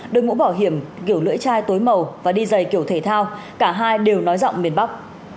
đối mũ bảo hiểm kiểu lưỡi chai tối màu và đi dày kiểu thể thao cả hai đều nói giọng miền bắc